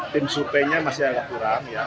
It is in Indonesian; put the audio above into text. tim surveinya masih agak kurang